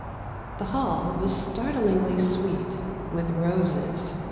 The hall was startlingly sweet with roses.